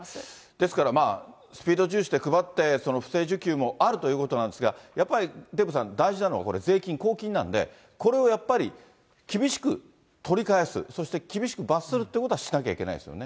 ですから、スピード重視で配って、不正受給もあるということなんですが、やっぱりデーブさん、大事なのは、これ、税金、公金なんで、これをやっぱり厳しく取り返す、そして厳しく罰するっていうことはしなきゃいけないですよね。